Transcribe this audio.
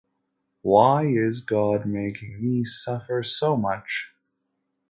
Why is God making me suffer so much?